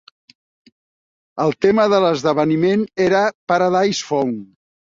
El tema de l'esdeveniment era "Paradise Found".